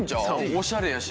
おしゃれやし。